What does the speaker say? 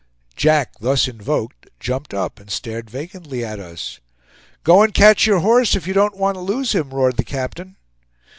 Jack thus invoked, jumped up and stared vacantly at us. "Go and catch your horse, if you don't want to lose him!" roared the captain.